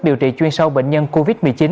điều trị chuyên sâu bệnh nhân covid một mươi chín